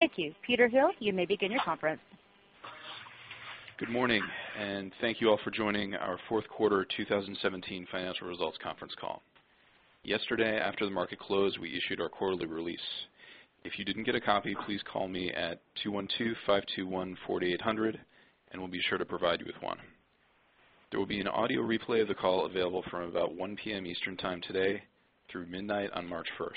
Thank you. Peter Hill, you may begin your conference. Good morning. Thank you all for joining our fourth quarter 2017 financial results conference call. Yesterday, after the market closed, we issued our quarterly release. If you didn't get a copy, please call me at 212-521-4800, and we'll be sure to provide you with one. There will be an audio replay of the call available from about 1:00 P.M. Eastern Time today through midnight on March 1st.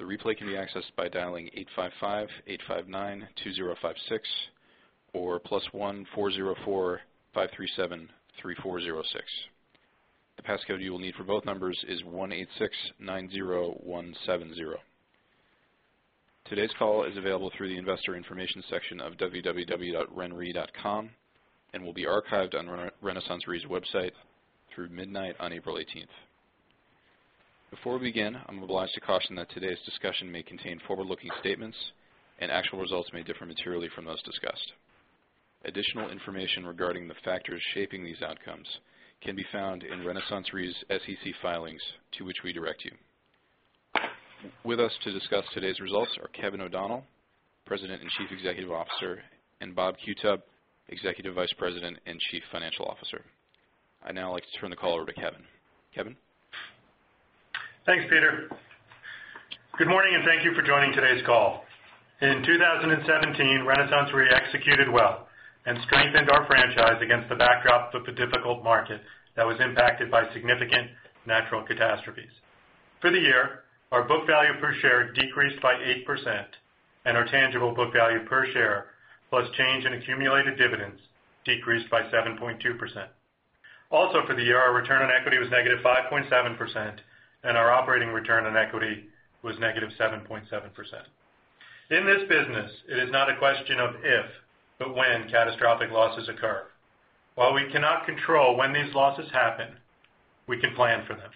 The replay can be accessed by dialing 855-859-2056 or +1-404-537-3406. The pass code you will need for both numbers is 18690170. Today's call is available through the investor information section of www.renre.com and will be archived on RenaissanceRe's website through midnight on April 18th. Before we begin, I'm obliged to caution that today's discussion may contain forward-looking statements and actual results may differ materially from those discussed. Additional information regarding the factors shaping these outcomes can be found in RenaissanceRe's SEC filings, to which we direct you. With us to discuss today's results are Kevin O'Donnell, President and Chief Executive Officer, and Robert Qutub, Executive Vice President and Chief Financial Officer. I'd now like to turn the call over to Kevin. Kevin? Thanks, Peter. Good morning. Thank you for joining today's call. In 2017, RenaissanceRe executed well and strengthened our franchise against the backdrop of the difficult market that was impacted by significant natural catastrophes. For the year, our book value per share decreased by 8%, and our tangible book value per share, plus change in accumulated dividends, decreased by 7.2%. Also for the year, our return on equity was negative 5.7%, and our operating return on equity was negative 7.7%. In this business, it is not a question of if, but when catastrophic losses occur. While we cannot control when these losses happen, we can plan for them.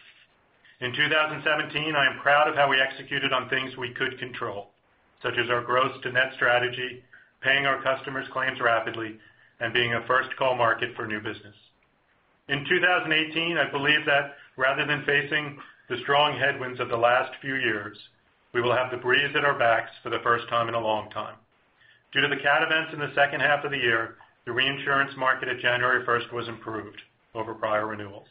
In 2017, I am proud of how we executed on things we could control, such as our gross to net strategy, paying our customers' claims rapidly, and being a first-call market for new business. In 2018, I believe that rather than facing the strong headwinds of the last few years, we will have the breeze at our backs for the first time in a long time. Due to the cat events in the second half of the year, the reinsurance market at January 1st was improved over prior renewals.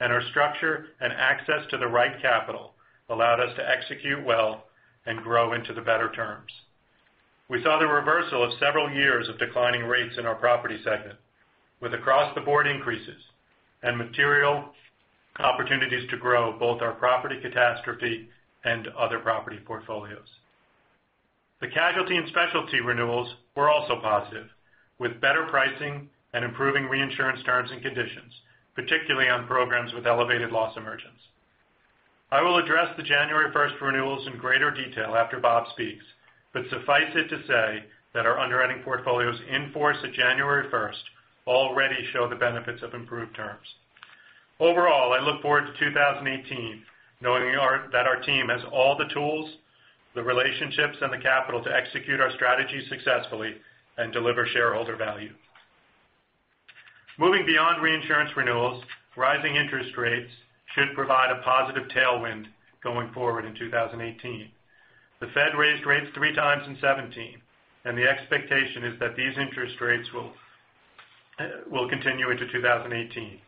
Our structure and access to the right capital allowed us to execute well and grow into the better terms. We saw the reversal of several years of declining rates in our property segment, with across-the-board increases and material opportunities to grow both our property catastrophe and other property portfolios. The casualty and specialty renewals were also positive, with better pricing and improving reinsurance terms and conditions, particularly on programs with elevated loss emergence. I will address the January 1st renewals in greater detail after Bob speaks, but suffice it to say that our underwriting portfolios in force at January 1st already show the benefits of improved terms. Overall, I look forward to 2018 knowing that our team has all the tools, the relationships, and the capital to execute our strategy successfully and deliver shareholder value. Moving beyond reinsurance renewals, rising interest rates should provide a positive tailwind going forward in 2018. The Fed raised rates three times in 2017. The expectation is that these interest rates will continue into 2018.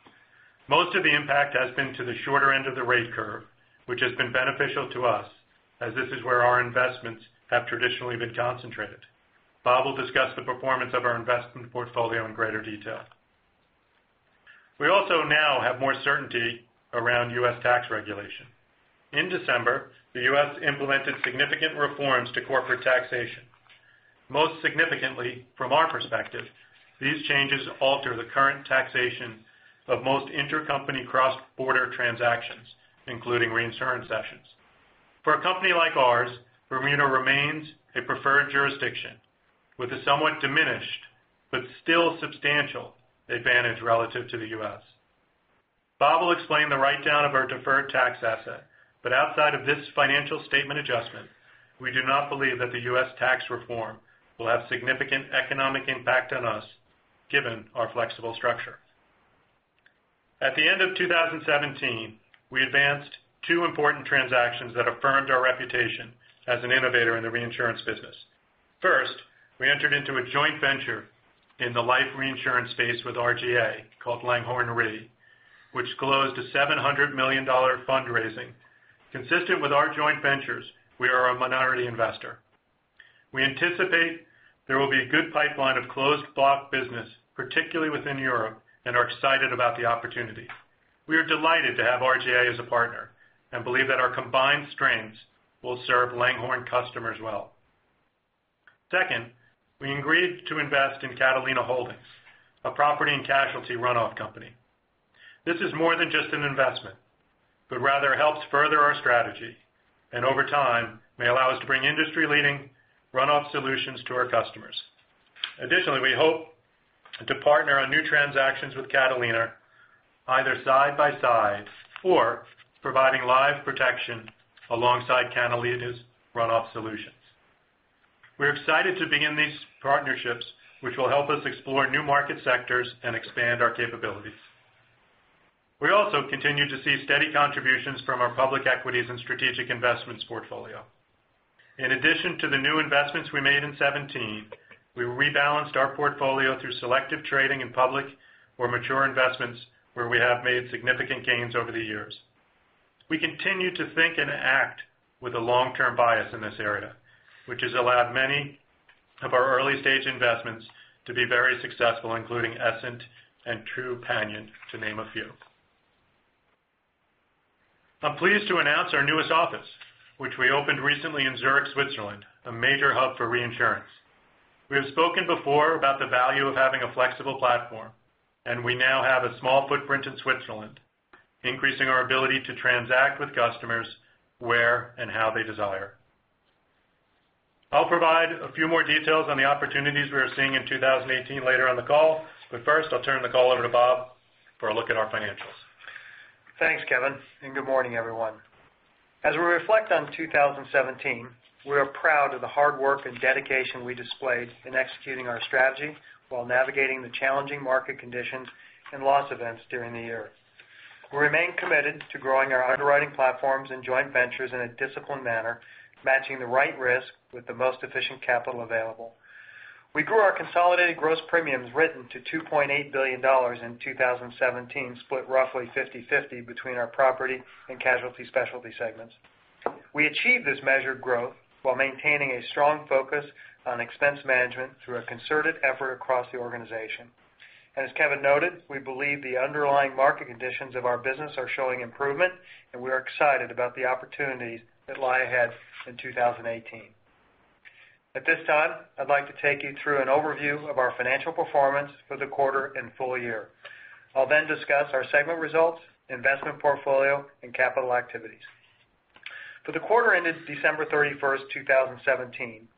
Most of the impact has been to the shorter end of the rate curve, which has been beneficial to us, as this is where our investments have traditionally been concentrated. Bob will discuss the performance of our investment portfolio in greater detail. We also now have more certainty around U.S. tax regulation. In December, the U.S. implemented significant reforms to corporate taxation. Most significantly, from our perspective, these changes alter the current taxation of most intercompany cross-border transactions, including reinsurance sessions. For a company like ours, Bermuda remains a preferred jurisdiction with a somewhat diminished but still substantial advantage relative to the U.S. Bob will explain the write-down of our deferred tax asset, but outside of this financial statement adjustment, we do not believe that the U.S. tax reform will have significant economic impact on us given our flexible structure. At the end of 2017, we advanced two important transactions that affirmed our reputation as an innovator in the reinsurance business. First, we entered into a joint venture in the life reinsurance space with RGA called Langhorne Re, which closed a $700 million fundraising. Consistent with our joint ventures, we are a minority investor. We anticipate there will be a good pipeline of closed block business, particularly within Europe. We are excited about the opportunity. We are delighted to have RGA as a partner and believe that our combined strengths will serve Langhorne customers well. Second, we agreed to invest in Catalina Holdings, a property and casualty runoff company. This is more than just an investment, but rather helps further our strategy and over time may allow us to bring industry-leading runoff solutions to our customers. Additionally, we hope to partner on new transactions with Catalina, either side by side or providing live protection alongside Catalina's runoff solutions. We are excited to begin these partnerships, which will help us explore new market sectors and expand our capabilities. We also continue to see steady contributions from our public equities and strategic investments portfolio. In addition to the new investments we made in 2017, we rebalanced our portfolio through selective trading in public or mature investments where we have made significant gains over the years. We continue to think and act with a long-term bias in this area, which has allowed many of our early-stage investments to be very successful, including Essent and Trupanion, to name a few. I'm pleased to announce our newest office, which we opened recently in Zurich, Switzerland, a major hub for reinsurance. We have spoken before about the value of having a flexible platform, and we now have a small footprint in Switzerland, increasing our ability to transact with customers where and how they desire. I'll provide a few more details on the opportunities we are seeing in 2018 later on the call. First, I'll turn the call over to Bob for a look at our financials. Thanks, Kevin, and good morning, everyone. As we reflect on 2017, we are proud of the hard work and dedication we displayed in executing our strategy while navigating the challenging market conditions and loss events during the year. We remain committed to growing our underwriting platforms and joint ventures in a disciplined manner, matching the right risk with the most efficient capital available. We grew our consolidated gross premiums written to $2.8 billion in 2017, split roughly 50/50 between our property and casualty specialty segments. We achieved this measured growth while maintaining a strong focus on expense management through a concerted effort across the organization. As Kevin noted, we believe the underlying market conditions of our business are showing improvement, and we are excited about the opportunities that lie ahead in 2018. At this time, I'd like to take you through an overview of our financial performance for the quarter and full year. I'll then discuss our segment results, investment portfolio, and capital activities. For the quarter ended December 31st, 2017,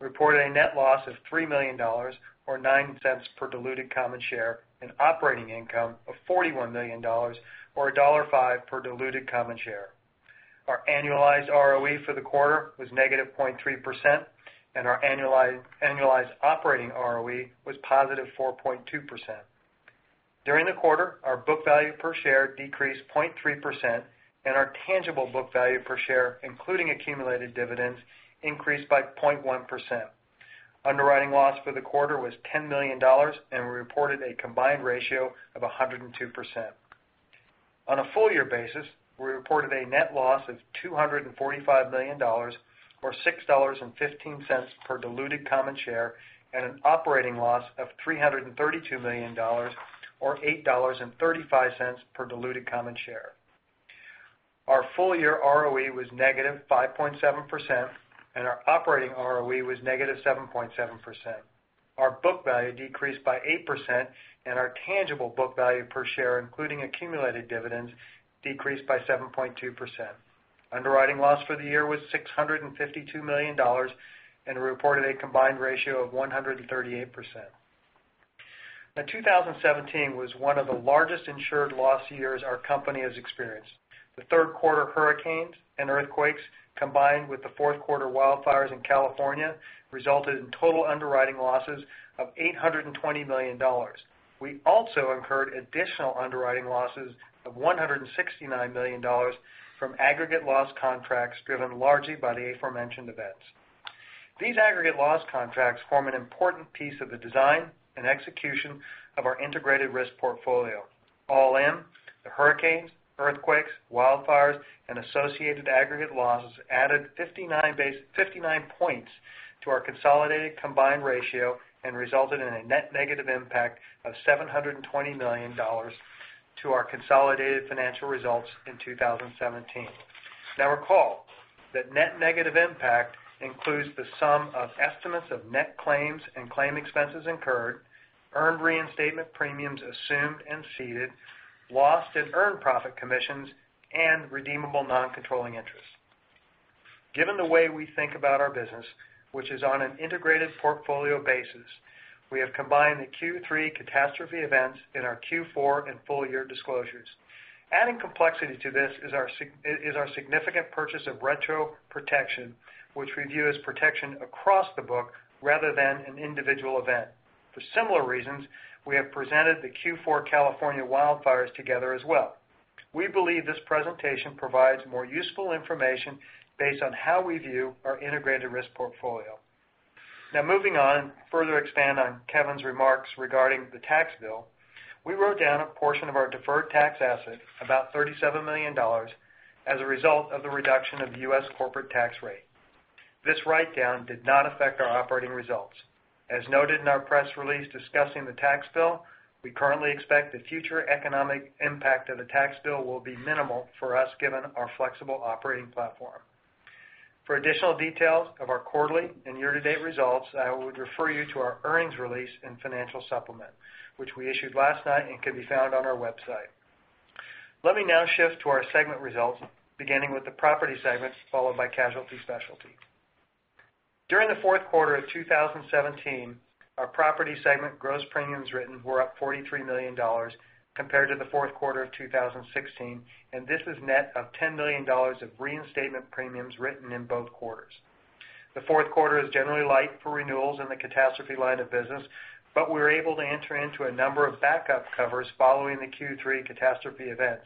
we reported a net loss of $3 million, or $0.09 per diluted common share, and operating income of $41 million, or $1.05 per diluted common share. Our annualized ROE for the quarter was negative 0.3%, and our annualized operating ROE was positive 4.2%. During the quarter, our book value per share decreased 0.3%, and our tangible book value per share, including accumulated dividends, increased by 0.1%. Underwriting loss for the quarter was $10 million, and we reported a combined ratio of 102%. On a full-year basis, we reported a net loss of $245 million, or $6.15 per diluted common share, and an operating loss of $332 million, or $8.35 per diluted common share. Our full-year ROE was negative 5.7%, and our operating ROE was negative 7.7%. Our book value decreased by 8%, and our tangible book value per share, including accumulated dividends, decreased by 7.2%. Underwriting loss for the year was $652 million, and we reported a combined ratio of 138%. 2017 was one of the largest insured loss years our company has experienced. The third quarter hurricanes and earthquakes, combined with the fourth quarter wildfires in California, resulted in total underwriting losses of $820 million. We also incurred additional underwriting losses of $169 million from aggregate loss contracts driven largely by the aforementioned events. These aggregate loss contracts form an important piece of the design and execution of our integrated risk portfolio. All in, the hurricanes, earthquakes, wildfires, and associated aggregate losses added 59 points to our consolidated combined ratio and resulted in a net negative impact of $720 million to our consolidated financial results in 2017. Recall that net negative impact includes the sum of estimates of net claims and claim expenses incurred, earned reinstatement premiums assumed and ceded, lost and earned profit commissions, and redeemable non-controlling interests. Given the way we think about our business, which is on an integrated portfolio basis, we have combined the Q3 catastrophe events in our Q4 and full-year disclosures. Adding complexity to this is our significant purchase of retro protection, which we view as protection across the book rather than an individual event. For similar reasons, we have presented the Q4 California wildfires together as well. We believe this presentation provides more useful information based on how we view our integrated risk portfolio. Moving on, further expand on Kevin's remarks regarding the tax bill. We wrote down a portion of our deferred tax asset, about $37 million, as a result of the reduction of the U.S. corporate tax rate. This write-down did not affect our operating results. As noted in our press release discussing the tax bill, we currently expect the future economic impact of the tax bill will be minimal for us given our flexible operating platform. For additional details of our quarterly and year-to-date results, I would refer you to our earnings release and financial supplement, which we issued last night and can be found on our website. Let me now shift to our segment results, beginning with the property segment, followed by casualty specialty. During the fourth quarter of 2017, our property segment gross premiums written were up $43 million compared to the fourth quarter of 2016, and this is net of $10 million of reinstatement premiums written in both quarters. The fourth quarter is generally light for renewals in the catastrophe line of business, but we were able to enter into a number of backup covers following the Q3 catastrophe events.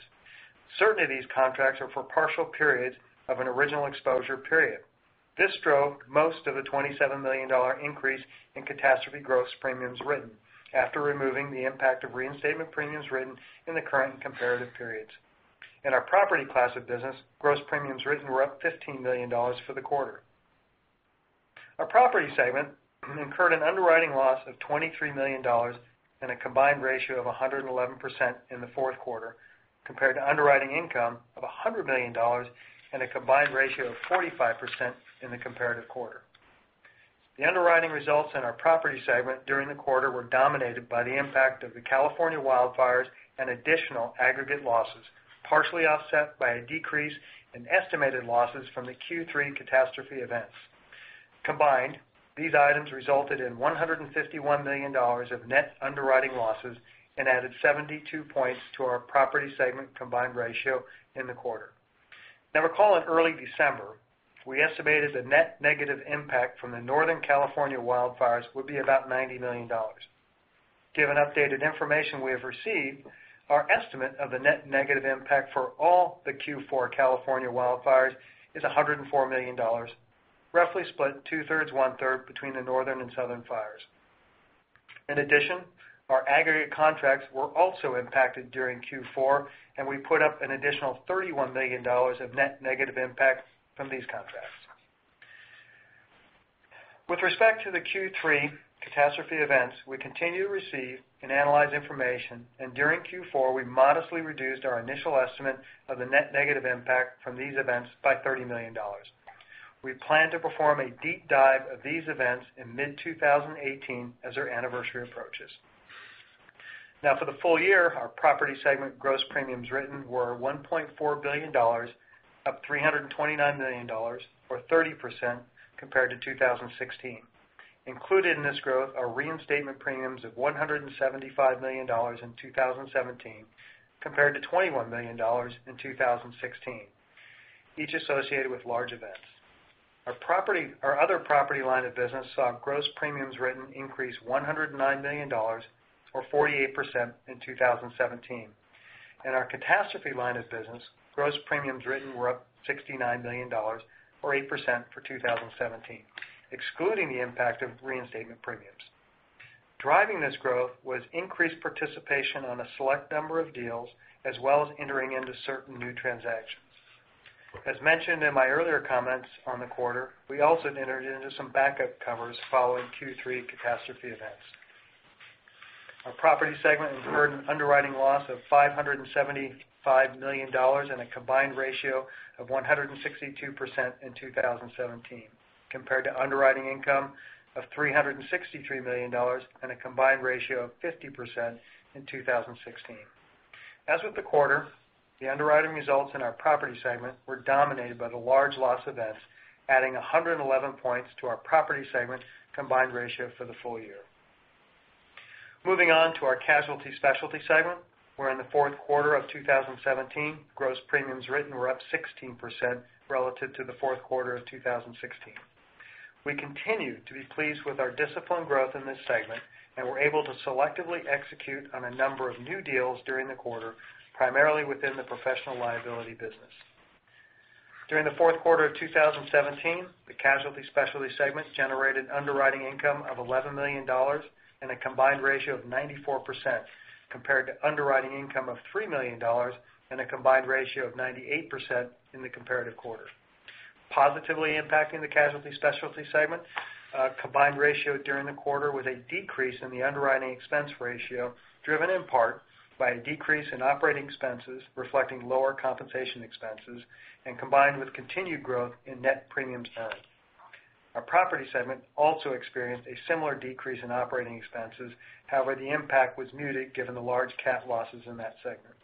Certain of these contracts are for partial periods of an original exposure period. This drove most of the $27 million increase in catastrophe gross premiums written after removing the impact of reinstatement premiums written in the current and comparative periods. In our property class of business, gross premiums written were up $15 million for the quarter. Our property segment incurred an underwriting loss of $23 million and a combined ratio of 111% in the fourth quarter, compared to underwriting income of $100 million and a combined ratio of 45% in the comparative quarter. The underwriting results in our property segment during the quarter were dominated by the impact of the California wildfires and additional aggregate losses, partially offset by a decrease in estimated losses from the Q3 catastrophe events. Combined, these items resulted in $151 million of net underwriting losses and added 72 points to our property segment combined ratio in the quarter. Recall in early December, we estimated the net negative impact from the Northern California wildfires would be about $90 million. Given updated information we have received, our estimate of the net negative impact for all the Q4 California wildfires is $104 million, roughly split two-thirds, one-third between the northern and southern fires. Our aggregate contracts were also impacted during Q4, and we put up an additional $31 million of net negative impact from these contracts. With respect to the Q3 catastrophe events, we continue to receive and analyze information, and during Q4, we modestly reduced our initial estimate of the net negative impact from these events by $30 million. We plan to perform a deep dive of these events in mid-2018 as their anniversary approaches. For the full year, our property segment gross premiums written were $1.4 billion, up $329 million, or 30%, compared to 2016. Included in this growth are reinstatement premiums of $175 million in 2017, compared to $21 million in 2016, each associated with large events. Our other property line of business saw gross premiums written increase $109 million, or 48%, in 2017. In our catastrophe line of business, gross premiums written were up $69 million, or 8%, for 2017, excluding the impact of reinstatement premiums. Driving this growth was increased participation on a select number of deals, as well as entering into certain new transactions. As mentioned in my earlier comments on the quarter, we also entered into some backup covers following Q3 catastrophe events. Our property segment incurred an underwriting loss of $575 million and a combined ratio of 162% in 2017, compared to underwriting income of $363 million and a combined ratio of 50% in 2016. As with the quarter, the underwriting results in our property segment were dominated by the large loss events, adding 111 points to our property segment combined ratio for the full year. Moving on to our casualty specialty segment, where in the fourth quarter of 2017, gross premiums written were up 16% relative to the fourth quarter of 2016. We continue to be pleased with our disciplined growth in this segment and were able to selectively execute on a number of new deals during the quarter, primarily within the professional liability business. During the fourth quarter of 2017, the casualty specialty segment generated underwriting income of $11 million and a combined ratio of 94%, compared to underwriting income of $3 million and a combined ratio of 98% in the comparative quarter. Positively impacting the casualty specialty segment combined ratio during the quarter with a decrease in the underwriting expense ratio, driven in part by a decrease in operating expenses reflecting lower compensation expenses and combined with continued growth in net premiums earned. Our property segment also experienced a similar decrease in operating expenses, however, the impact was muted given the large cat losses in that segment.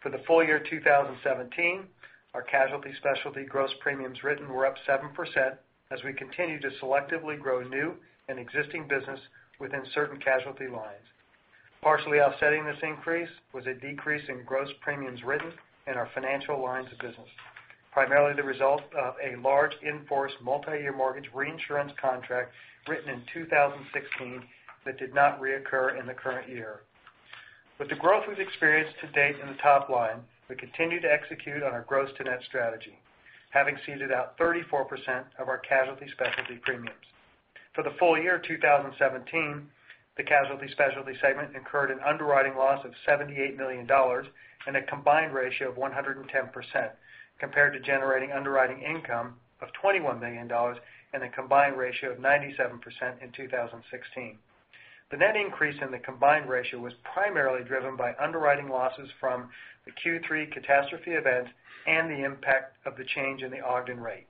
For the full year 2017, our casualty specialty gross premiums written were up 7% as we continue to selectively grow new and existing business within certain casualty lines. Partially offsetting this increase was a decrease in gross premiums written in our financial lines of business, primarily the result of a large in-force multi-year mortgage reinsurance contract written in 2016 that did not reoccur in the current year. With the growth we've experienced to date in the top line, we continue to execute on our gross to net strategy, having ceded out 34% of our casualty specialty premiums. For the full year 2017, the casualty specialty segment incurred an underwriting loss of $78 million and a combined ratio of 110%, compared to generating underwriting income of $21 million and a combined ratio of 97% in 2016. The net increase in the combined ratio was primarily driven by underwriting losses from the Q3 catastrophe event and the impact of the change in the Ogden rate.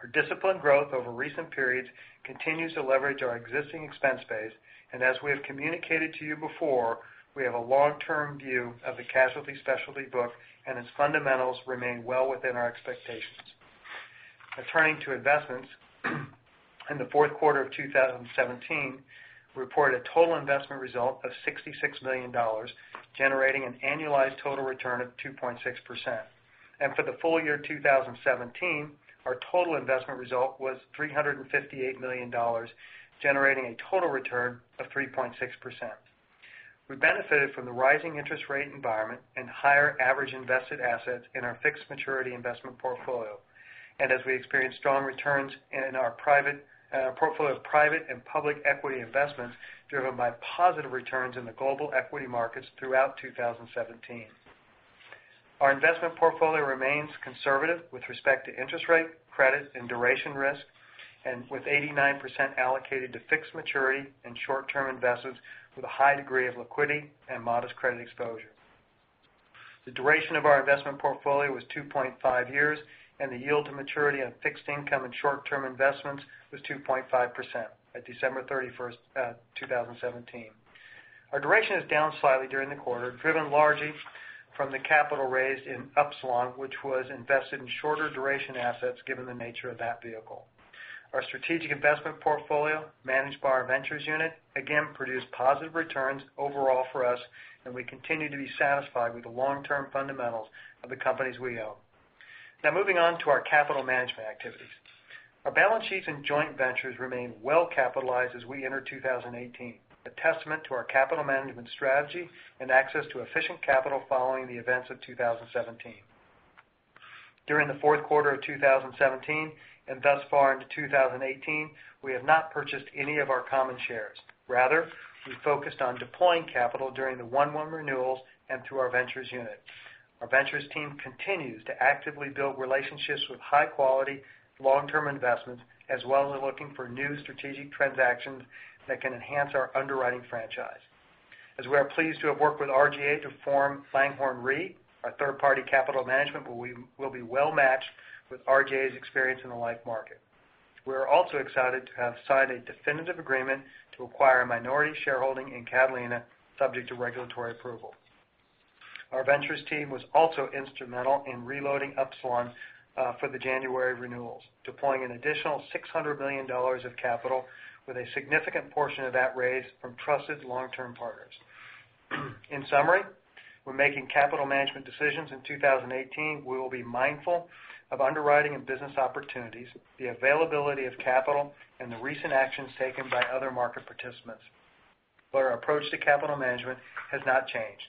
Our disciplined growth over recent periods continues to leverage our existing expense base, as we have communicated to you before, we have a long-term view of the casualty specialty book, and its fundamentals remain well within our expectations. Now turning to investments. In the fourth quarter of 2017, we reported a total investment result of $66 million, generating an annualized total return of 2.6%. For the full year 2017, our total investment result was $358 million, generating a total return of 3.6%. We benefited from the rising interest rate environment and higher average invested assets in our fixed maturity investment portfolio. As we experienced strong returns in our portfolio of private and public equity investments, driven by positive returns in the global equity markets throughout 2017. Our investment portfolio remains conservative with respect to interest rate, credit, and duration risk, with 89% allocated to fixed maturity and short-term investments with a high degree of liquidity and modest credit exposure. The duration of our investment portfolio was 2.5 years, and the yield to maturity on fixed income and short-term investments was 2.5% at December 31st, 2017. Our duration is down slightly during the quarter, driven largely from the capital raised in Upsilon, which was invested in shorter duration assets given the nature of that vehicle. Our strategic investment portfolio managed by our ventures unit, again, produced positive returns overall for us, we continue to be satisfied with the long-term fundamentals of the companies we own. Now moving on to our capital management activities. Our balance sheets and joint ventures remain well capitalized as we enter 2018, a testament to our capital management strategy and access to efficient capital following the events of 2017. During the fourth quarter of 2017 and thus far into 2018, we have not purchased any of our common shares. Rather, we focused on deploying capital during the 1/1 renewals and through our ventures unit. Our ventures team continues to actively build relationships with high-quality, long-term investments, as well as looking for new strategic transactions that can enhance our underwriting franchise. We are pleased to have worked with RGA to form Langhorne Re, our third-party capital management will be well matched with RGA's experience in the life market. We're also excited to have signed a definitive agreement to acquire a minority shareholding in Catalina subject to regulatory approval. Our ventures team was also instrumental in reloading Upsilon for the January renewals, deploying an additional $600 million of capital with a significant portion of that raised from trusted long-term partners. In summary, we're making capital management decisions in 2018. We will be mindful of underwriting and business opportunities, the availability of capital, the recent actions taken by other market participants. Our approach to capital management has not changed.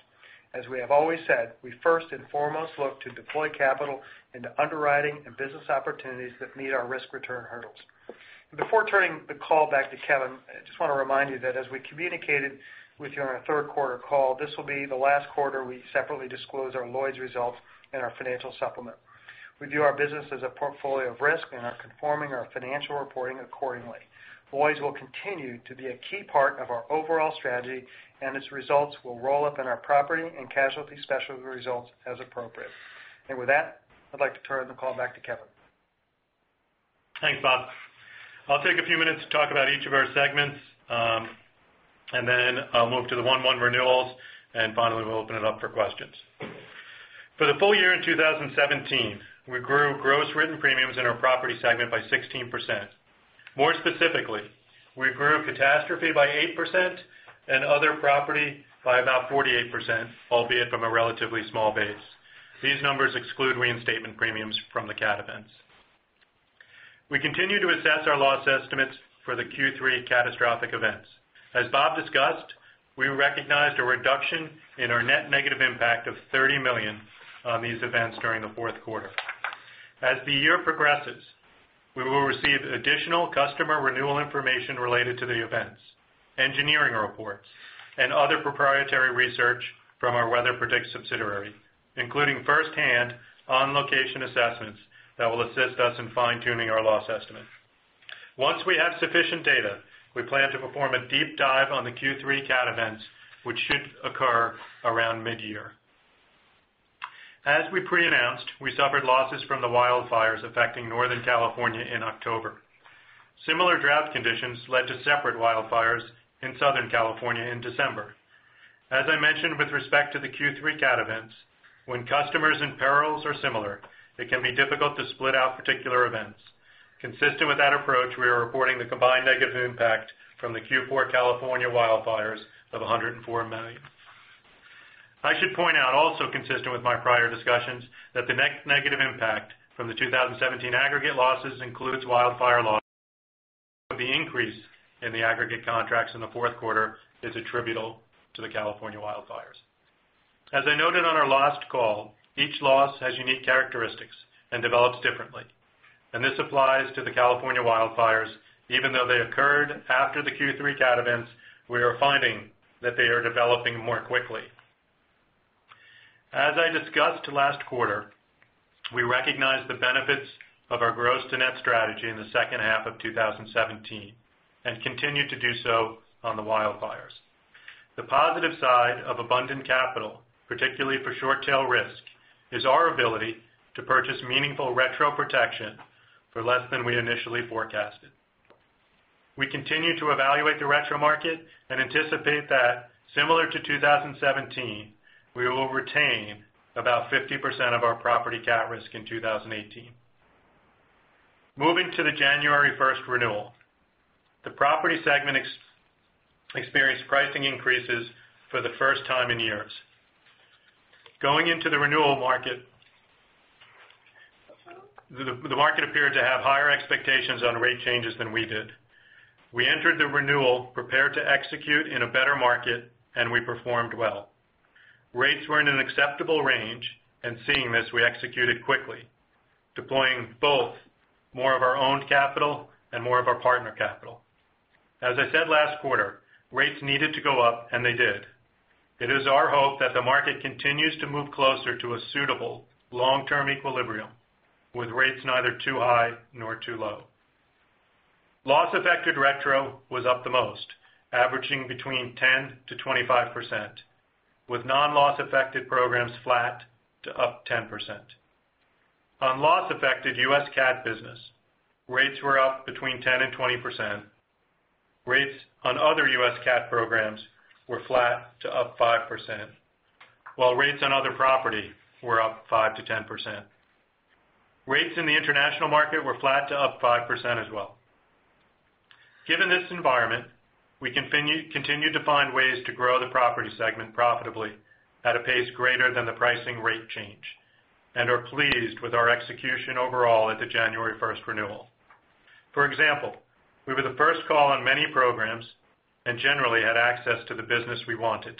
We have always said, we first and foremost look to deploy capital into underwriting and business opportunities that meet our risk-return hurdles. Before turning the call back to Kevin, I just want to remind you that as we communicated with you on our third quarter call, this will be the last quarter we separately disclose our Lloyd's results in our financial supplement. We view our business as a portfolio of risk and are conforming our financial reporting accordingly. Lloyd's will continue to be a key part of our overall strategy, and its results will roll up in our property and casualty specialty results as appropriate. With that, I'd like to turn the call back to Kevin. Thanks, Bob. I'll take a few minutes to talk about each of our segments, then I'll move to the 1/1 renewals, finally, we'll open it up for questions. For the full year in 2017, we grew gross written premiums in our property segment by 16%. More specifically, we grew catastrophe by 8% and other property by about 48%, albeit from a relatively small base. These numbers exclude reinstatement premiums from the cat events. We continue to assess our loss estimates for the Q3 catastrophic events. As Bob discussed, we recognized a reduction in our net negative impact of $30 million on these events during the fourth quarter. As the year progresses, we will receive additional customer renewal information related to the events, engineering reports, and other proprietary research from our WeatherPredict subsidiary, including first-hand, on-location assessments that will assist us in fine-tuning our loss estimate. Once we have sufficient data, we plan to perform a deep dive on the Q3 cat events, which should occur around mid-year. As we pre-announced, we suffered losses from the wildfires affecting Northern California in October. Similar drought conditions led to separate wildfires in Southern California in December. As I mentioned with respect to the Q3 cat events, when customers and perils are similar, it can be difficult to split out particular events. Consistent with that approach, we are reporting the combined negative impact from the Q4 California wildfires of $104 million. I should point out, also consistent with my prior discussions, that the net negative impact from the 2017 aggregate losses includes wildfire loss. The increase in the aggregate contracts in the fourth quarter is attributable to the California wildfires. As I noted on our last call, each loss has unique characteristics and develops differently, this applies to the California wildfires. Even though they occurred after the Q3 cat events, we are finding that they are developing more quickly. As I discussed last quarter, we recognized the benefits of our gross to net strategy in the second half of 2017 and continue to do so on the wildfires. The positive side of abundant capital, particularly for short-tail risk, is our ability to purchase meaningful retro protection for less than we initially forecasted. We continue to evaluate the retro market and anticipate that similar to 2017, we will retain about 50% of our property cat risk in 2018. Moving to the January 1st renewal, the property segment experienced pricing increases for the first time in years. Going into the renewal market, the market appeared to have higher expectations on rate changes than we did. We entered the renewal prepared to execute in a better market, and we performed well. Rates were in an acceptable range, and seeing this, we executed quickly, deploying both more of our owned capital and more of our partner capital. As I said last quarter, rates needed to go up, and they did. It is our hope that the market continues to move closer to a suitable long-term equilibrium, with rates neither too high nor too low. Loss affected retro was up the most, averaging between 10%-25%, with non-loss affected programs flat to up 10%. On loss-affected US CAT business, rates were up between 10% and 20%. Rates on other US CAT programs were flat to up 5%, while rates on other property were up 5%-10%. Rates in the international market were flat to up 5% as well. Given this environment, we continue to find ways to grow the property segment profitably at a pace greater than the pricing rate change and are pleased with our execution overall at the January 1st renewal. For example, we were the first call on many programs and generally had access to the business we wanted.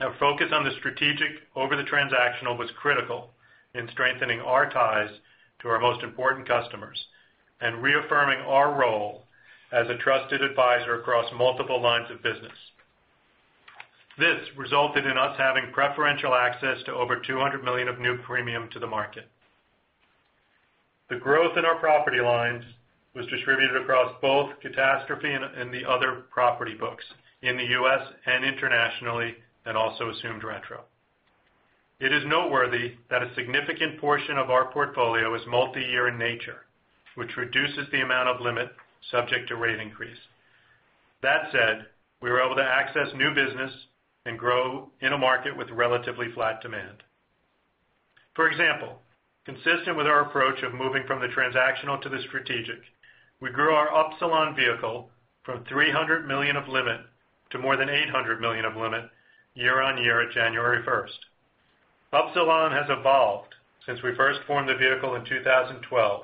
Our focus on the strategic over the transactional was critical in strengthening our ties to our most important customers and reaffirming our role as a trusted advisor across multiple lines of business. This resulted in us having preferential access to over $200 million of new premium to the market. The growth in our property lines was distributed across both catastrophe and the other property books in the U.S. and internationally, and also assumed retro. It is noteworthy that a significant portion of our portfolio is multi-year in nature, which reduces the amount of limit subject to rate increase. That said, we were able to access new business and grow in a market with relatively flat demand. For example, consistent with our approach of moving from the transactional to the strategic, we grew our Upsilon vehicle from $300 million of limit to more than $800 million of limit year-over-year at January 1st. Upsilon has evolved since we first formed the vehicle in 2012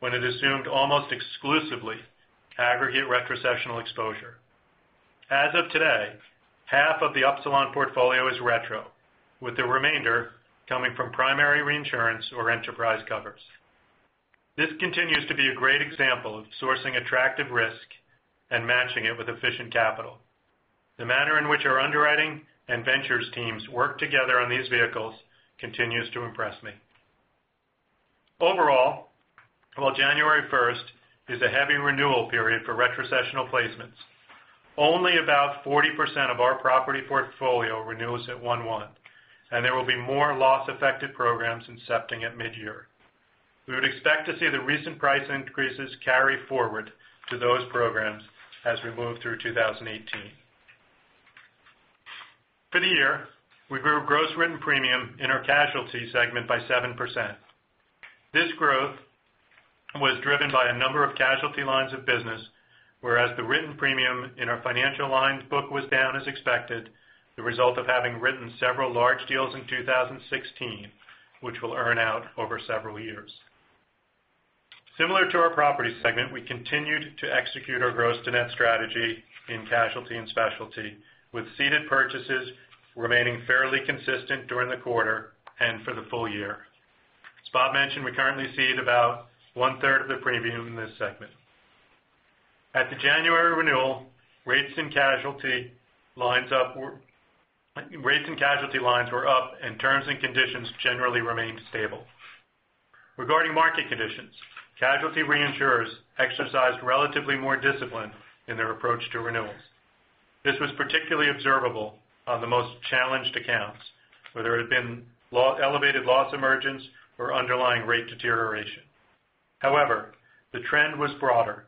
when it assumed almost exclusively aggregate retrocessional exposure. As of today, half of the Upsilon portfolio is retro, with the remainder coming from primary reinsurance or enterprise covers. This continues to be a great example of sourcing attractive risk and matching it with efficient capital. The manner in which our underwriting and ventures teams work together on these vehicles continues to impress me. Overall, while January 1st is a heavy renewal period for retrocessional placements, only about 40% of our property portfolio renews at 1/1, and there will be more loss-affected programs incepting at midyear. We would expect to see the recent price increases carry forward to those programs as we move through 2018. For the year, we grew gross written premium in our casualty segment by 7%. This growth was driven by a number of casualty lines of business, whereas the written premium in our financial lines book was down as expected, the result of having written several large deals in 2016, which will earn out over several years. Similar to our property segment, we continued to execute our gross to net strategy in casualty and specialty, with ceded purchases remaining fairly consistent during the quarter and for the full year. As Bob mentioned, we currently cede about one-third of the premium in this segment. At the January renewal, rates in casualty lines were up, and terms and conditions generally remained stable. Regarding market conditions, casualty reinsurers exercised relatively more discipline in their approach to renewals. This was particularly observable on the most challenged accounts where there had been elevated loss emergence or underlying rate deterioration. However, the trend was broader,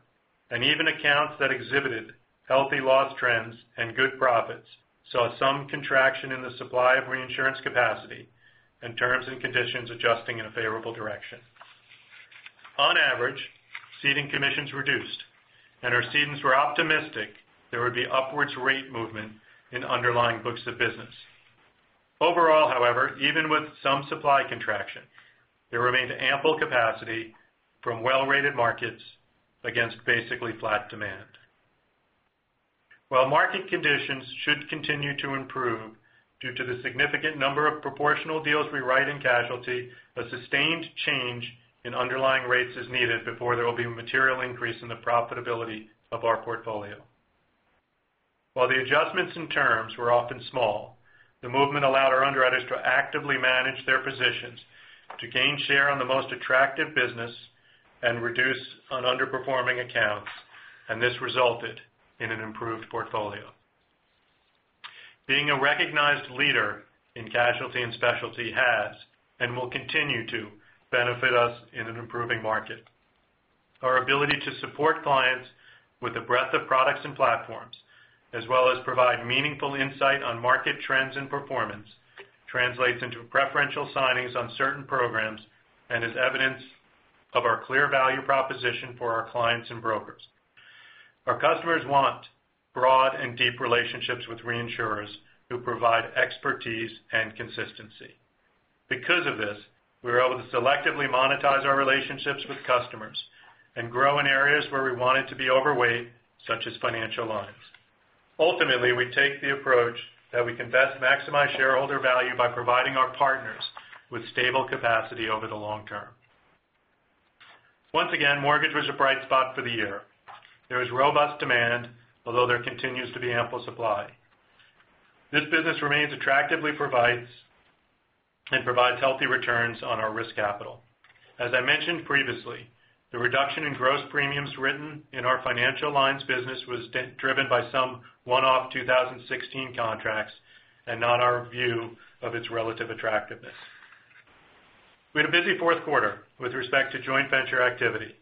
and even accounts that exhibited healthy loss trends and good profits saw some contraction in the supply of reinsurance capacity and terms and conditions adjusting in a favorable direction. On average, ceding commissions reduced. Our cedents were optimistic there would be upwards rate movement in underlying books of business. Overall, however, even with some supply contraction, there remained ample capacity from well-rated markets against basically flat demand. While market conditions should continue to improve due to the significant number of proportional deals we write in casualty, a sustained change in underlying rates is needed before there will be a material increase in the profitability of our portfolio. While the adjustments in terms were often small, the movement allowed our underwriters to actively manage their positions to gain share on the most attractive business and reduce on underperforming accounts. This resulted in an improved portfolio. Being a recognized leader in casualty and specialty has and will continue to benefit us in an improving market. Our ability to support clients with a breadth of products and platforms, as well as provide meaningful insight on market trends and performance, translates into preferential signings on certain programs and is evidence of our clear value proposition for our clients and brokers. Our customers want broad and deep relationships with reinsurers who provide expertise and consistency. Because of this, we are able to selectively monetize our relationships with customers and grow in areas where we want it to be overweight, such as financial lines. Ultimately, we take the approach that we can best maximize shareholder value by providing our partners with stable capacity over the long term. Once again, mortgage was a bright spot for the year. There was robust demand, although there continues to be ample supply. This business remains attractively and provides healthy returns on our risk capital. As I mentioned previously, the reduction in gross premiums written in our financial lines business was driven by some one-off 2016 contracts and not our view of its relative attractiveness. We had a busy fourth quarter with respect to joint venture activity,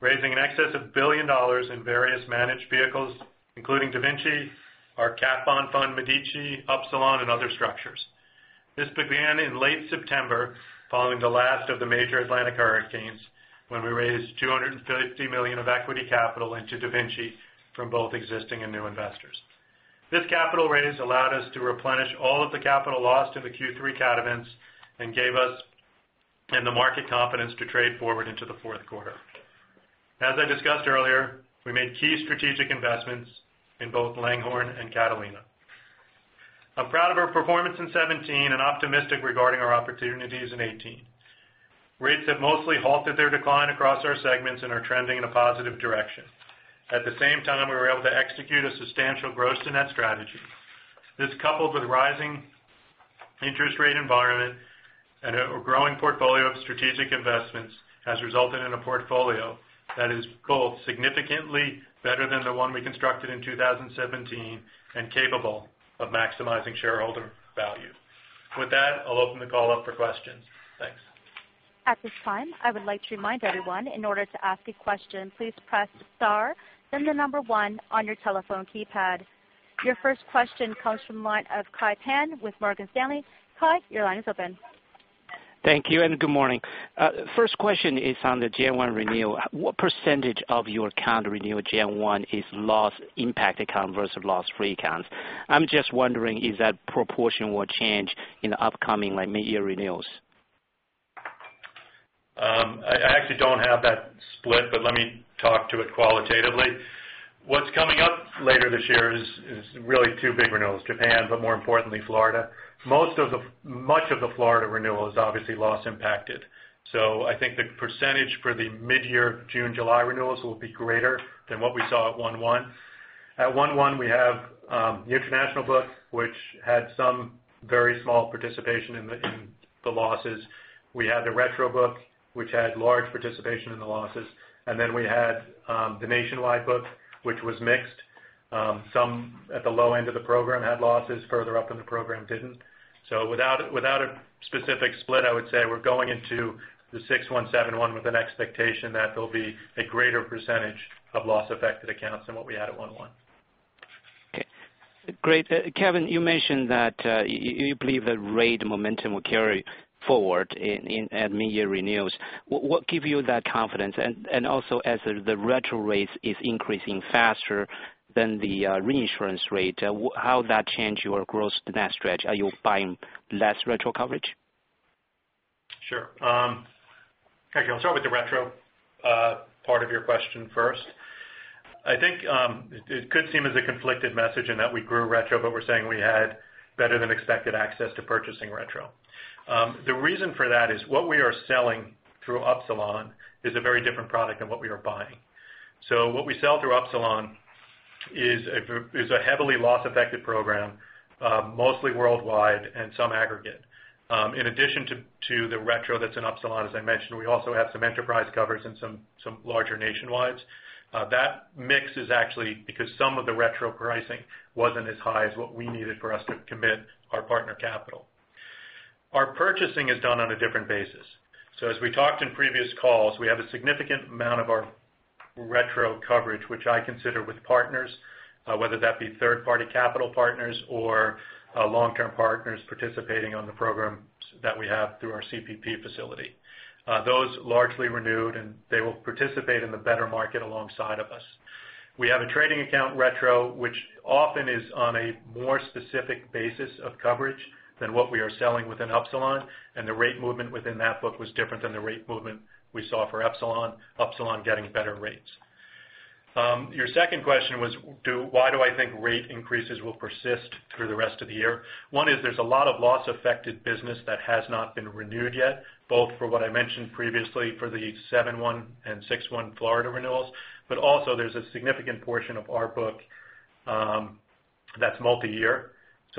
raising an excess of $1 billion in various managed vehicles, including DaVinci, our cat bond fund Medici, Upsilon, and other structures. This began in late September, following the last of the major Atlantic hurricanes, when we raised $250 million of equity capital into DaVinci from both existing and new investors. This capital raise allowed us to replenish all of the capital lost in the Q3 cat events and gave us and the market confidence to trade forward into the fourth quarter. As I discussed earlier, we made key strategic investments in both Langhorne and Catalina. I'm proud of our performance in 2017 and optimistic regarding our opportunities in 2018. Rates have mostly halted their decline across our segments and are trending in a positive direction. At the same time, we were able to execute a substantial gross to net strategy. This, coupled with rising interest rate environment and a growing portfolio of strategic investments, has resulted in a portfolio that is both significantly better than the one we constructed in 2017 and capable of maximizing shareholder value. With that, I'll open the call up for questions. Thanks. At this time, I would like to remind everyone, in order to ask a question, please press star then the number one on your telephone keypad. Your first question comes from the line of Kai Pan with Morgan Stanley. Kai, your line is open. Thank you. Good morning. First question is on the 1/1 renewal. What percentage of your account renewal 1/1 is loss impacted account versus loss free account? I'm just wondering, is that proportion will change in the upcoming mid-year renewals? I actually don't have that split. Let me talk to it qualitatively. What's coming up later this year is really two big renewals, Japan, more importantly, Florida. Much of the Florida renewal is obviously loss impacted. I think the percentage for the mid-year June, July renewals will be greater than what we saw at 1/1. At 1/1, we have the international book, which had some very small participation in the losses. We had the retro book, which had large participation in the losses. We had the nationwide book, which was mixed. Some at the low end of the program had losses, further up in the program didn't. Without a specific split, I would say we're going into the 6/1 and 7/1 with an expectation that there'll be a greater percentage of loss-affected accounts than what we had at 1/1. Okay, great. Kevin, you mentioned that you believe the rate momentum will carry forward at mid-year renewals. What give you that confidence? Also as the retro rate is increasing faster than the reinsurance rate, how that change your gross to net strategy? Are you buying less retro coverage? Sure. Okay, I'll start with the retro part of your question first. I think it could seem as a conflicted message in that we grew retro, but we're saying we had better than expected access to purchasing retro. The reason for that is what we are selling through Upsilon is a very different product than what we are buying. What we sell through Upsilon is a heavily loss-affected program, mostly worldwide and some aggregate. In addition to the retro that's in Upsilon, as I mentioned, we also have some enterprise covers and some larger nationwides. That mix is actually because some of the retro pricing wasn't as high as what we needed for us to commit our partner capital. Our purchasing is done on a different basis. As we talked in previous calls, we have a significant amount of our retro coverage, which I consider with partners, whether that be third-party capital partners or long-term partners participating on the programs that we have through our CPP facility. Those largely renewed, and they will participate in the better market alongside of us. We have a trading account retro, which often is on a more specific basis of coverage than what we are selling within Upsilon, and the rate movement within that book was different than the rate movement we saw for Upsilon getting better rates. Your second question was why do I think rate increases will persist through the rest of the year? One is there's a lot of loss-affected business that has not been renewed yet, both for what I mentioned previously for the 7/1 and 6/1 Florida renewals. Also there's a significant portion of our book that's multi-year.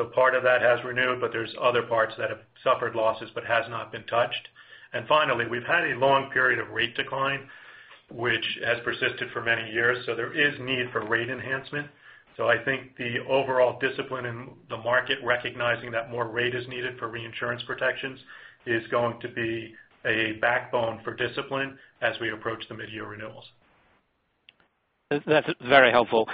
Part of that has renewed, but there's other parts that have suffered losses but has not been touched. Finally, we've had a long period of rate decline which has persisted for many years. There is need for rate enhancement. I think the overall discipline in the market, recognizing that more rate is needed for reinsurance protections, is going to be a backbone for discipline as we approach the mid-year renewals. That's very helpful.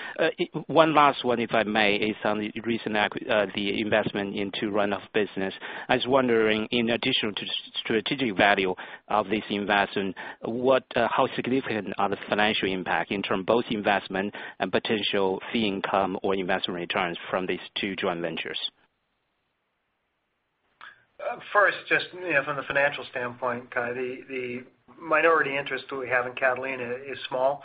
One last one, if I may, is on the investment into run-off business. I was wondering, in addition to strategic value of this investment, how significant are the financial impact in terms both investment and potential fee income or investment returns from these two joint ventures? First, just from the financial standpoint, Kai, the minority interest that we have in Catalina is small.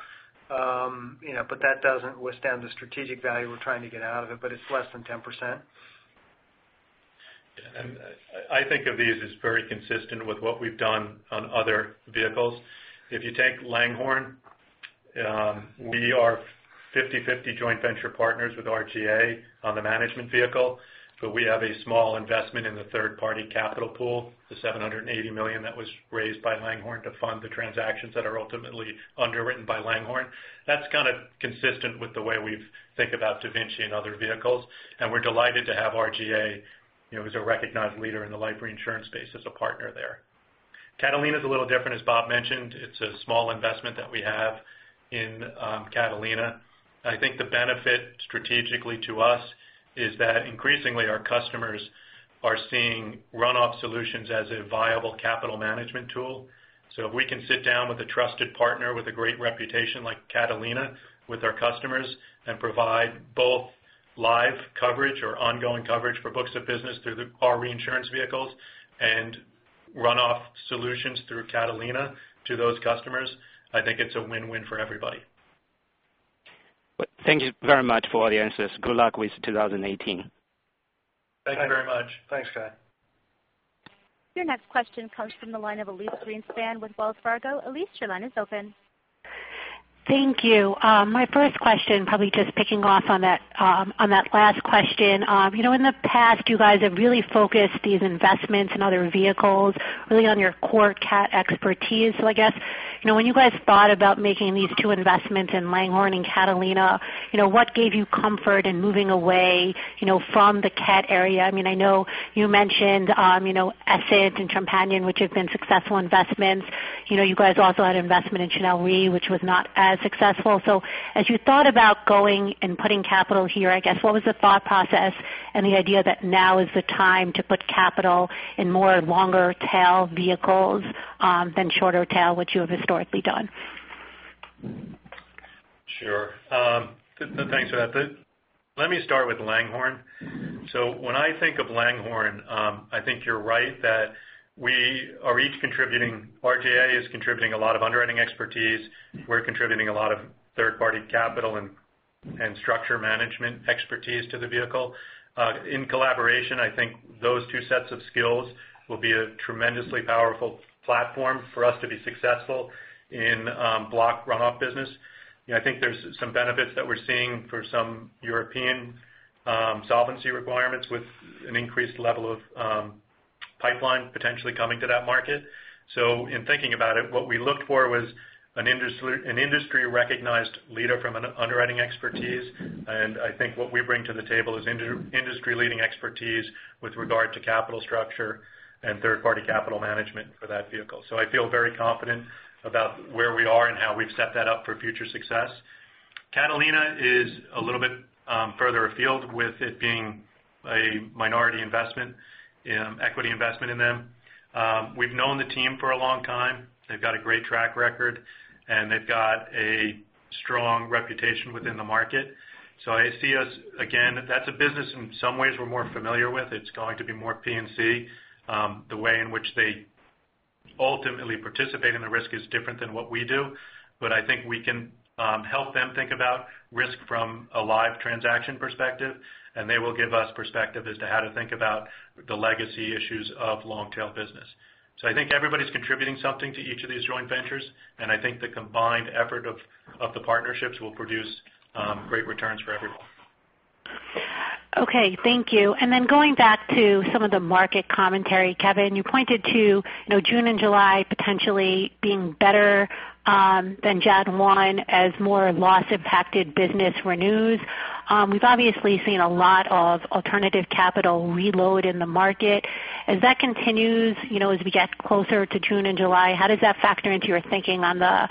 That doesn't withstand the strategic value we're trying to get out of it, but it's less than 10%. I think of these as very consistent with what we've done on other vehicles. If you take Langhorne, we are 50-50 joint venture partners with RGA on the management vehicle, but we have a small investment in the third-party capital pool, the $780 million that was raised by Langhorne to fund the transactions that are ultimately underwritten by Langhorne. That's kind of consistent with the way we think about DaVinci and other vehicles, and we're delighted to have RGA, as a recognized leader in the life reinsurance space as a partner there. Catalina is a little different. As Bob mentioned, it's a small investment that we have in Catalina. I think the benefit strategically to us is that increasingly our customers are seeing run-off solutions as a viable capital management tool. If we can sit down with a trusted partner with a great reputation like Catalina with our customers and provide both live coverage or ongoing coverage for books of business through our reinsurance vehicles and run-off solutions through Catalina to those customers, I think it's a win-win for everybody. Thank you very much for the answers. Good luck with 2018. Thank you very much. Thanks, Kai. Your next question comes from the line of Elyse Greenspan with Wells Fargo. Elyse, your line is open. Thank you. My first question, probably just picking off on that last question. In the past, you guys have really focused these investments in other vehicles, really on your core cat expertise. I guess, when you guys thought about making these two investments in Langhorne and Catalina, what gave you comfort in moving away from the cat area? I know you mentioned Essent and Companion, which have been successful investments. You guys also had investment in Channel Re, which was not as successful. As you thought about going and putting capital here, I guess what was the thought process and the idea that now is the time to put capital in more longer tail vehicles, than shorter tail, which you have historically done? Sure. Thanks for that. Let me start with Langhorne. When I think of Langhorne, I think you're right that we are each contributing. RGA is contributing a lot of underwriting expertise. We're contributing a lot of third-party capital and structure management expertise to the vehicle. In collaboration, I think those two sets of skills will be a tremendously powerful platform for us to be successful in block runoff business. I think there's some benefits that we're seeing for some European solvency requirements with an increased level of pipeline potentially coming to that market. In thinking about it, what we looked for was an industry recognized leader from an underwriting expertise. I think what we bring to the table is industry leading expertise with regard to capital structure and third-party capital management for that vehicle. I feel very confident about where we are and how we've set that up for future success. Catalina is a little bit further afield with it being a minority investment, equity investment in them. We've known the team for a long time. They've got a great track record, and they've got a strong reputation within the market. I see us again, that's a business in some ways we're more familiar with. It's going to be more P&C. The way in which they ultimately participate in the risk is different than what we do, but I think we can help them think about risk from a live transaction perspective, and they will give us perspective as to how to think about the legacy issues of long tail business. I think everybody's contributing something to each of these joint ventures, and I think the combined effort of the partnerships will produce great returns for everyone. Okay, thank you. Going back to some of the market commentary, Kevin, you pointed to June and July potentially being better than 1/1 as more loss impacted business renews. We've obviously seen a lot of alternative capital reload in the market. As that continues, as we get closer to June and July, how does that factor into your thinking on the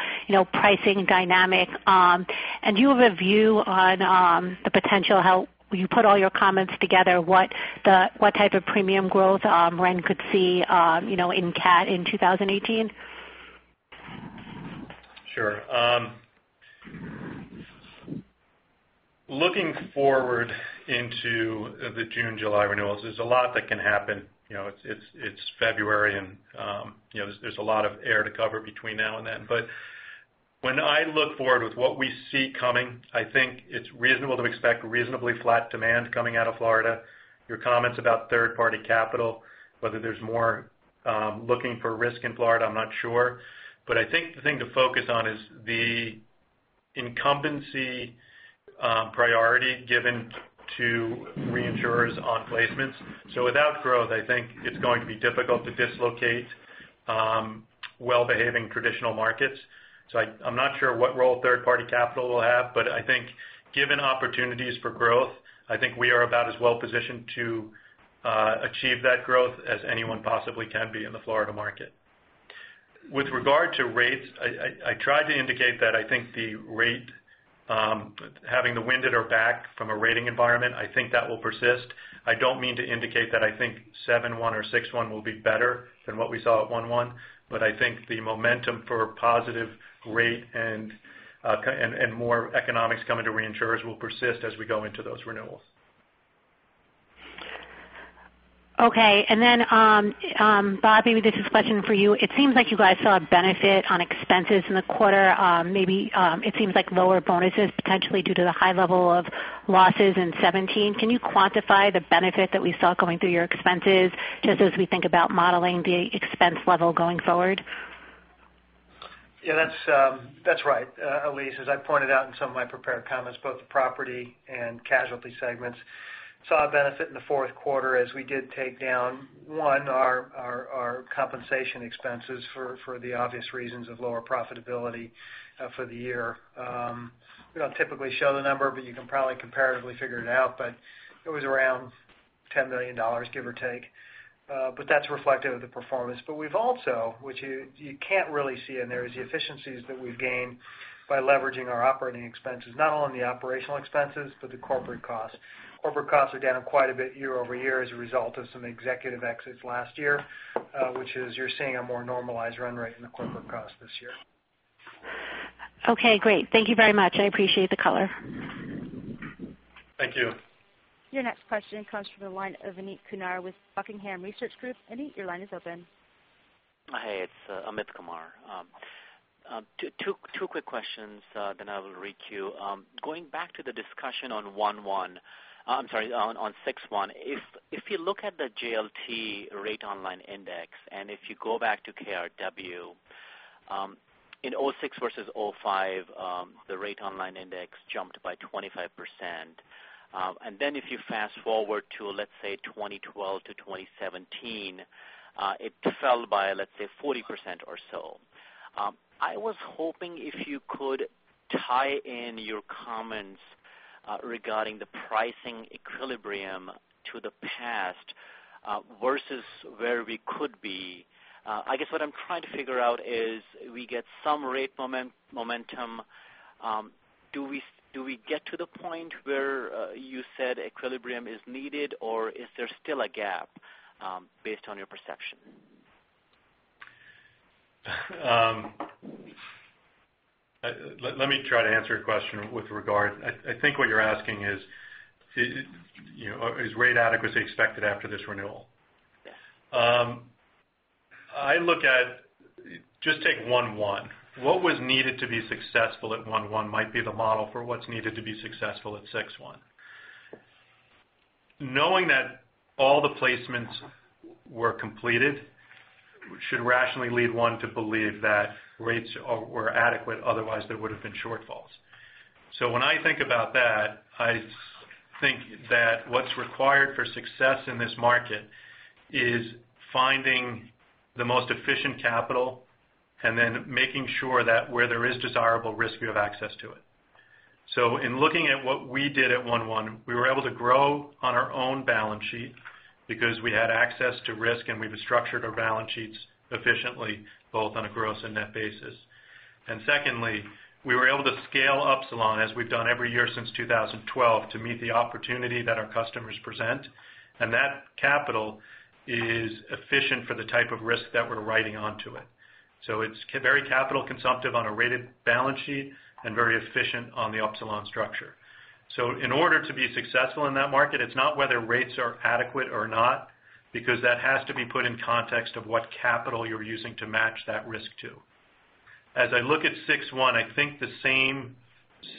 pricing dynamic? Do you have a view on the potential, how you put all your comments together, what type of premium growth Ren could see in cat in 2018? Sure. Looking forward into the June, July renewals, there's a lot that can happen. It's February, there's a lot of air to cover between now and then. When I look forward with what we see coming, I think it's reasonable to expect reasonably flat demand coming out of Florida. Your comments about third-party capital, whether there's more looking for risk in Florida, I'm not sure. I think the thing to focus on is the incumbency priority given to reinsurers on placements. Without growth, I think it's going to be difficult to dislocate well-behaving traditional markets. I'm not sure what role third-party capital will have, but I think given opportunities for growth, I think we are about as well positioned to achieve that growth as anyone possibly can be in the Florida market. With regard to rates, I tried to indicate that I think the rate, having the wind at our back from a rating environment, I think that will persist. I don't mean to indicate that I think 7/1 or 6/1 will be better than what we saw at 1/1, I think the momentum for positive rate and more economics coming to reinsurers will persist as we go into those renewals. Okay. Bob, maybe this is a question for you. It seems like you guys saw a benefit on expenses in the quarter. Maybe it seems like lower bonuses potentially due to the high level of losses in 2017. Can you quantify the benefit that we saw going through your expenses, just as we think about modeling the expense level going forward? Yeah, that's right, Elyse. As I pointed out in some of my prepared comments, both the property and casualty segments saw a benefit in the fourth quarter as we did take down our compensation expenses for the obvious reasons of lower profitability for the year. We don't typically show the number, but you can probably comparatively figure it out, but it was around $10 million, give or take. That's reflective of the performance. We've also, which you can't really see in there, is the efficiencies that we've gained by leveraging our operating expenses, not only the operational expenses, but the corporate costs. Corporate costs are down quite a bit year-over-year as a result of some executive exits last year, which is you're seeing a more normalized run rate in the corporate costs this year. Okay, great. Thank you very much. I appreciate the color. Thank you. Your next question comes from the line of Amit Kumar with The Buckingham Research Group. Amit, your line is open. Hey, it's Amit Kumar. Two quick questions, then I will re-queue. Going back to the discussion on 1/1, I'm sorry, on 6/1. If you look at the JLT Rate-on-Line Index, if you go back to KRW, in 2006 versus 2005, the Rate-on-Line Index jumped by 25%. If you fast-forward to, let's say, 2012 to 2017, it fell by, let's say, 40% or so. I was hoping if you could tie in your comments regarding the pricing equilibrium to the past versus where we could be. I guess what I'm trying to figure out is we get some rate momentum. Do we get to the point where you said equilibrium is needed, or is there still a gap, based on your perception? Let me try to answer your question with regard. I think what you're asking is rate adequacy expected after this renewal? Yes. Just take 1/1. What was needed to be successful at 1/1 might be the model for what's needed to be successful at 6/1. Knowing that all the placements were completed should rationally lead one to believe that rates were adequate, otherwise there would've been shortfalls. When I think about that, I think that what's required for success in this market is finding the most efficient capital and then making sure that where there is desirable risk, we have access to it. In looking at what we did at 1/1, we were able to grow on our own balance sheet because we had access to risk, and we've structured our balance sheets efficiently, both on a gross and net basis. Secondly, we were able to scale up Upsilon as we've done every year since 2012 to meet the opportunity that our customers present, and that capital is efficient for the type of risk that we're writing onto it. It's very capital consumptive on a rated balance sheet and very efficient on the Upsilon structure. In order to be successful in that market, it's not whether rates are adequate or not, because that has to be put in context of what capital you're using to match that risk to. As I look at 6/1, I think the same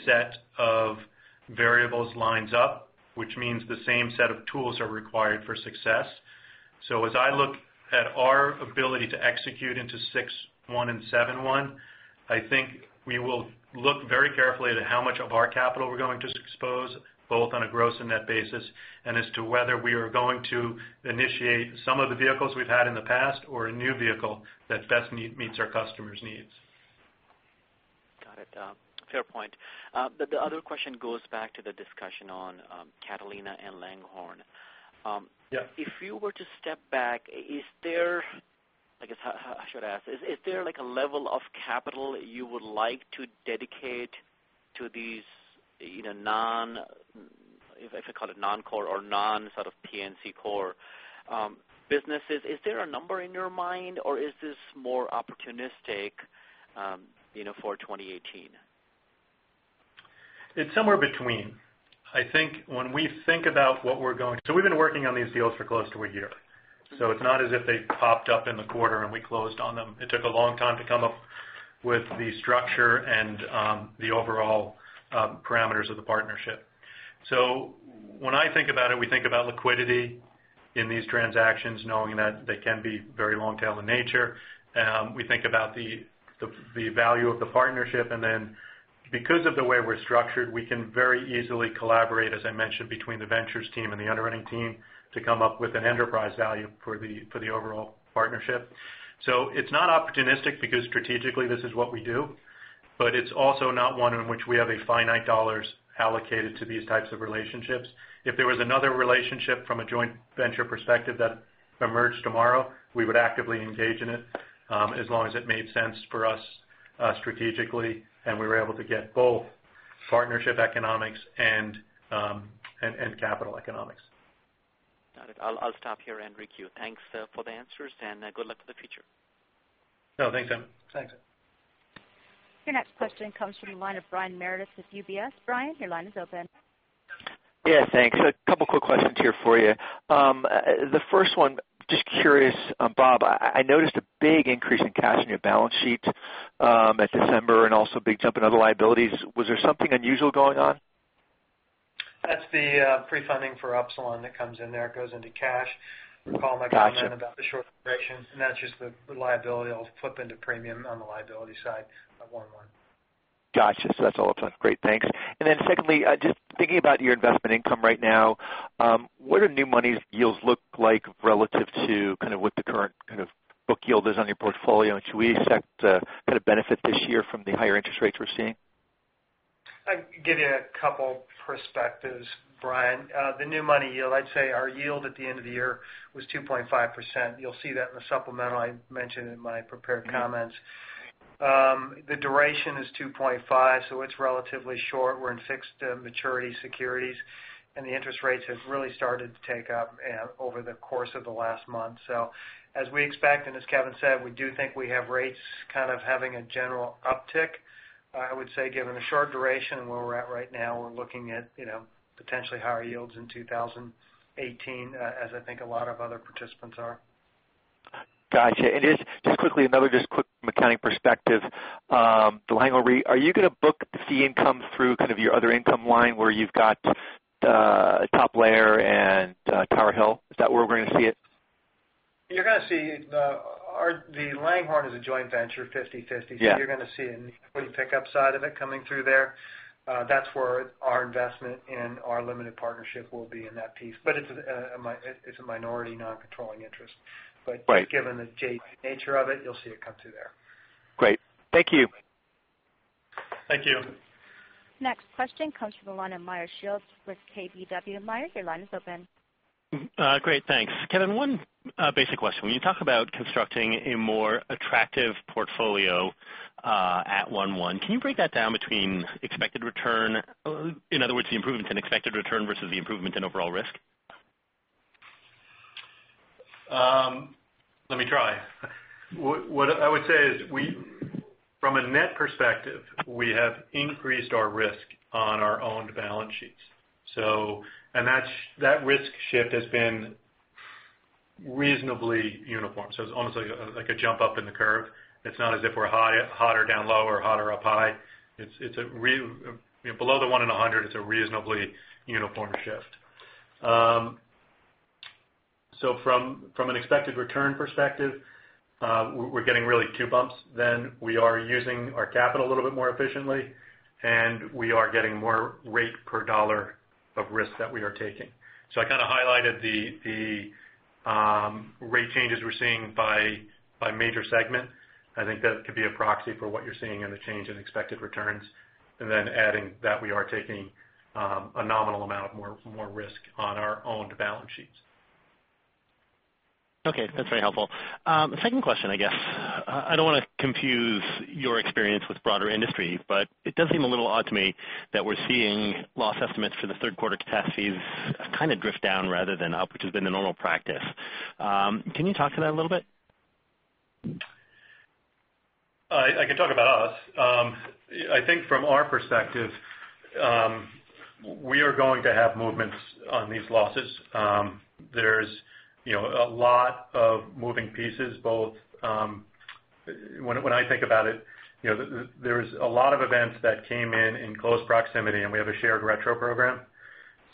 set of variables lines up, which means the same set of tools are required for success. As I look at our ability to execute into 6/1 and 7/1, I think we will look very carefully at how much of our capital we're going to expose, both on a gross and net basis, and as to whether we are going to initiate some of the vehicles we've had in the past or a new vehicle that best meets our customers' needs. Got it. Fair point. The other question goes back to the discussion on Catalina and Langhorne. Yeah. If you were to step back, I guess how I should ask is there a level of capital you would like to dedicate to these non-core or non-P&C core businesses? Is there a number in your mind, or is this more opportunistic for 2018? It's somewhere between. We've been working on these deals for close to a year. It's not as if they popped up in the quarter and we closed on them. It took a long time to come up with the structure and the overall parameters of the partnership. When I think about it, we think about liquidity In these transactions, knowing that they can be very long tail in nature, we think about the value of the partnership. Then because of the way we're structured, we can very easily collaborate, as I mentioned, between the ventures team and the underwriting team to come up with an enterprise value for the overall partnership. It's not opportunistic because strategically this is what we do, but it's also not one in which we have a finite dollars allocated to these types of relationships. If there was another relationship from a joint venture perspective that emerged tomorrow, we would actively engage in it, as long as it made sense for us strategically, and we were able to get both partnership economics and capital economics. Got it. I'll stop here. And great Q, you. Thanks for the answers. Good luck for the future. No, thanks, Amit. Thanks. Your next question comes from the line of Brian Meredith with UBS. Brian, your line is open. Yeah, thanks. A couple quick questions here for you. The first one, just curious, Bob, I noticed a big increase in cash on your balance sheet at December and also a big jump in other liabilities. Was there something unusual going on? That's the pre-funding for Upsilon that comes in there. It goes into cash. Got you. The call might come in about the short duration, and that's just the liability. It'll flip into premium on the liability side of 1/1. Got you. That's all up front. Great, thanks. Secondly, just thinking about your investment income right now, what do new money's yields look like relative to what the current book yield is on your portfolio? Should we expect to kind of benefit this year from the higher interest rates we're seeing? I can give you a couple perspectives, Brian. The new money yield, I'd say our yield at the end of the year was 2.5%. You'll see that in the supplemental I mentioned in my prepared comments. The duration is 2.5, it's relatively short. We're in fixed maturity securities, the interest rates have really started to take up over the course of the last month. As we expect, as Kevin said, we do think we have rates kind of having a general uptick. I would say given the short duration and where we're at right now, we're looking at potentially higher yields in 2018, as I think a lot of other participants are. Got you. Just quickly, another just quick accounting perspective. The Langhorne Re, are you going to book the fee income through kind of your other income line where you've got Top Layer and Tower Hill? Is that where we're going to see it? You're going to see the Langhorne is a joint venture, 50/50. Yeah. You're going to see an equity pickup side of it coming through there. That's where our investment in our limited partnership will be in that piece. It's a minority non-controlling interest. Right. Given the JV nature of it, you'll see it come through there. Great. Thank you. Thank you. Next question comes from the line of Meyer Shields with KBW. Meyer, your line is open. Great, thanks. Kevin, one basic question. When you talk about constructing a more attractive portfolio at 1/1, can you break that down between expected return, in other words, the improvement in expected return versus the improvement in overall risk? Let me try. What I would say is from a net perspective, we have increased our risk on our owned balance sheets. That risk shift has been reasonably uniform. It's almost like a jump up in the curve. It's not as if we're hot or down low or hot or up high. Below the one in 100, it's a reasonably uniform shift. From an expected return perspective, we're getting really two bumps then. We are using our capital a little bit more efficiently, we are getting more rate per dollar of risk that we are taking. I kind of highlighted the rate changes we're seeing by major segment. I think that could be a proxy for what you're seeing in the change in expected returns. Then adding that we are taking a nominal amount of more risk on our owned balance sheets. Okay. That's very helpful. Second question, I guess. I don't want to confuse your experience with broader industry, but it does seem a little odd to me that we're seeing loss estimates for the third quarter catastrophe kind of drift down rather than up, which has been the normal practice. Can you talk to that a little bit? I can talk about us. I think from our perspective, we are going to have movements on these losses. There's a lot of moving pieces both. When I think about it, there was a lot of events that came in close proximity, and we have a shared retro program.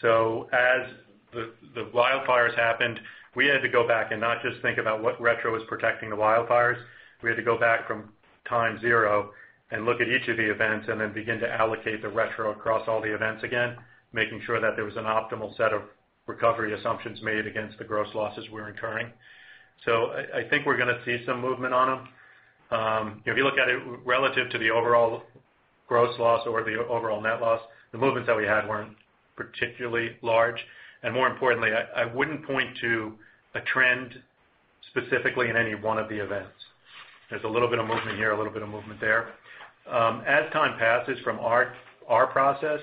As the wildfires happened, we had to go back and not just think about what retro was protecting the wildfires. We had to go back from time zero and look at each of the events and then begin to allocate the retro across all the events again, making sure that there was an optimal set of recovery assumptions made against the gross losses we're incurring. I think we're going to see some movement on them. If you look at it relative to the overall gross loss or the overall net loss, the movements that we had weren't particularly large. More importantly, I wouldn't point to a trend specifically in any one of the events. There's a little bit of movement here, a little bit of movement there. As time passes from our process,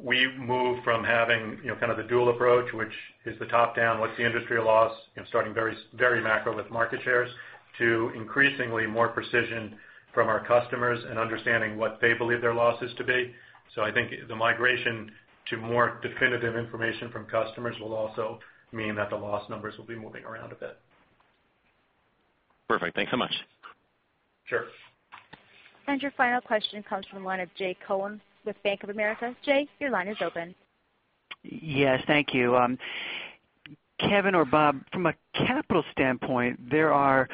we move from having kind of the dual approach, which is the top-down, what's the industry loss, starting very macro with market shares, to increasingly more precision from our customers and understanding what they believe their loss is to be. I think the migration to more definitive information from customers will also mean that the loss numbers will be moving around a bit. Perfect. Thanks so much. Sure. Your final question comes from the line of Jay Cohen with Bank of America. Jay, your line is open. Yes, thank you. Kevin or Bob, from a capital standpoint, there are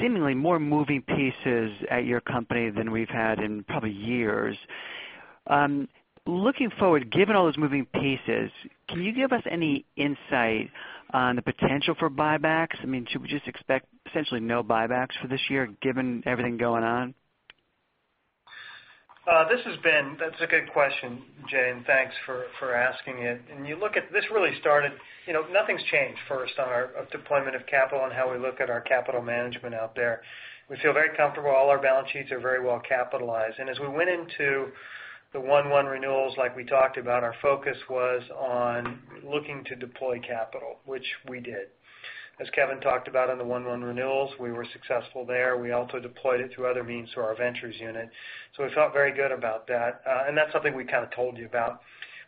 seemingly more moving pieces at your company than we've had in probably years. Looking forward, given all those moving pieces, can you give us any insight on the potential for buybacks? Should we just expect essentially no buybacks for this year, given everything going on? That's a good question, Jay, and thanks for asking it. Nothing's changed, first, on our deployment of capital and how we look at our capital management out there. We feel very comfortable. All our balance sheets are very well capitalized. As we went into the 1/1 renewals, like we talked about, our focus was on looking to deploy capital, which we did. As Kevin talked about on the 1/1 renewals, we were successful there. We also deployed it through other means through our ventures unit. We felt very good about that. That's something we kind of told you about.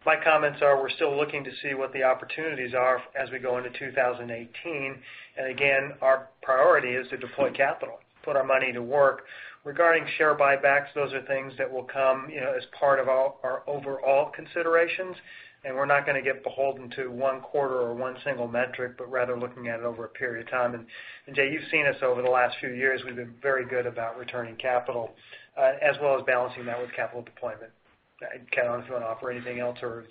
My comments are, we're still looking to see what the opportunities are as we go into 2018. Again, our priority is to deploy capital, put our money to work. Regarding share buybacks, those are things that will come as part of our overall considerations, and we're not going to get beholden to one quarter or one single metric, but rather looking at it over a period of time. Jay, you've seen us over the last few years. We've been very good about returning capital, as well as balancing that with capital deployment. Kevin, I don't know if you want to offer anything else, or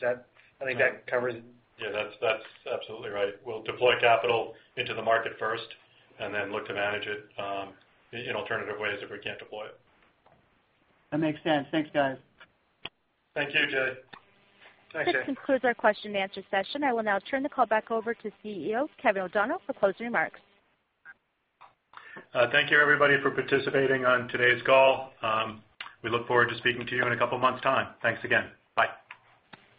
I think that covers it. Yeah, that's absolutely right. We'll deploy capital into the market first and then look to manage it in alternative ways if we can't deploy it. That makes sense. Thanks, guys. Thank you, Jay. This concludes our question and answer session. I will now turn the call back over to CEO, Kevin O'Donnell, for closing remarks. Thank you, everybody, for participating on today's call. We look forward to speaking to you in a couple of months' time. Thanks again. Bye.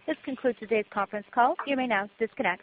This concludes today's conference call. You may now disconnect.